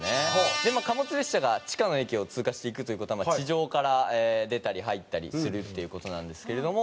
貨物列車が地下の駅を通過していくという事は地上から出たり入ったりするっていう事なんですけれども。